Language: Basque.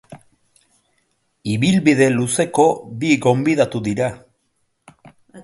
Ibilbide luzeko bi gonbidatu dira.